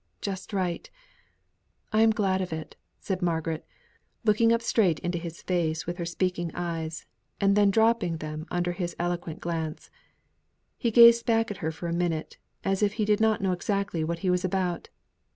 Just right. I am glad of it," said Margaret, looking up straight into his face with her speaking eyes, and then dropping them under his eloquent glance. He gazed back at her for a minute, as if he did not know exactly what he was about.